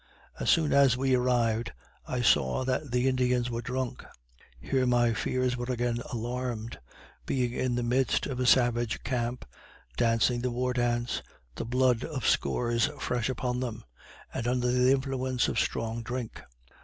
As soon as we arrived, I saw that the Indians were drunk. Here my fears were again alarmed being in the midst of a savage camp dancing the war dance the blood of scores fresh upon them and under the influence of strong drink!